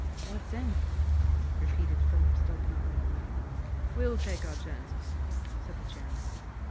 "What then?" repeated Philip Stulpnagel. "We'll take our chances," said the chairman.